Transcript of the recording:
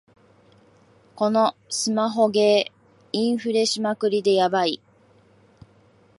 このスマホゲー、インフレしまくりでヤバい